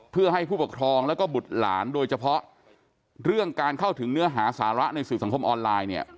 เพื่อให้ผู้ปกครองแล้วก็บุตรหลานโดยเฉพาะเรื่องการเข้าถึงเนื้อหาสาระในสื่อสังคมออนไลน์เนี่ย